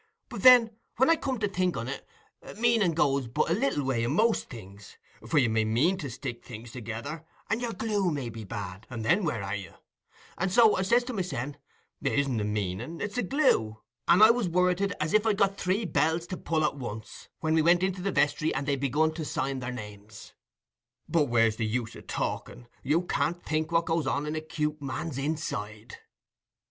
But then, when I come to think on it, meanin' goes but a little way i' most things, for you may mean to stick things together and your glue may be bad, and then where are you? And so I says to mysen, "It isn't the meanin', it's the glue." And I was worreted as if I'd got three bells to pull at once, when we went into the vestry, and they begun to sign their names. But where's the use o' talking?—you can't think what goes on in a 'cute man's inside."